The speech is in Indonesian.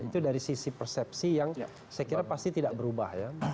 itu dari sisi persepsi yang saya kira pasti tidak berubah ya